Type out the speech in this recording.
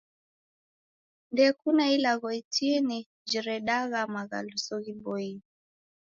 Ndekuna ilagho itini jiredagha maghaluso ghiboie.